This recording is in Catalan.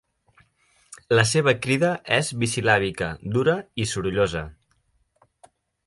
La seva crida és bisil·làbica, dura i sorollosa.